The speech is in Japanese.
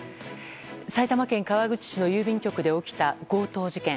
埼玉県川口市の郵便局で起きた強盗事件。